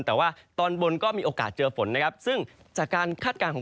แต่ว่าตอนบนก็มีโอกาสเจอฝนนะครับซึ่งจากการคาดการณ์ของ